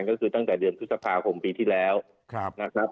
ก็คือตั้งแต่เดือนพฤษภาคมปีที่แล้วนะครับ